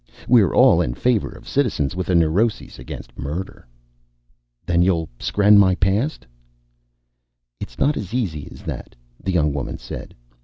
We're all in favor of citizens with a neurosis against murder." "Then you'll skren my past?" "It's not as easy as that," the young woman said.